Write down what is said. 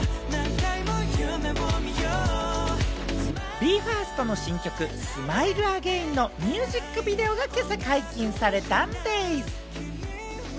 ＢＥ：ＦＩＲＳＴの新曲『ＳｍｉｌｅＡｇａｉｎ』のミュージックビデオが今朝解禁されたんでぃす。